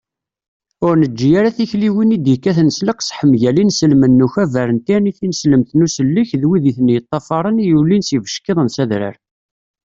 ur neǧǧi ara tikliwin i d-yekkaten s leqseḥ mgal inselmen n ukabar n tirni tineslemt n usellek d wid i ten-yeṭṭafaṛen i yulin s yibeckiḍen s adrar